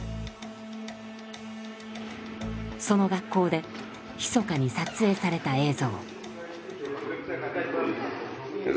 その学校でひそかに撮影された映像。